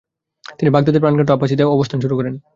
তিনি বাগদাদের প্রাণকেন্দ্র আব্বাসিদ এ অবস্থান শুরু করেন।